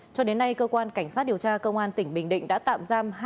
cho đến nay cơ quan cảnh sát điều tra công an tỉnh bình định đã tạm giam